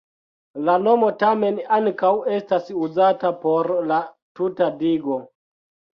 La nomo tamen ankaŭ estas uzata por la tuta digo.